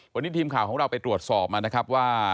วันนี้ทีมข่าวของเราไปตรวจสอบมานะครับว่า